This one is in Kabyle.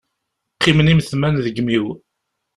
Qqimen imetman deg imi-w.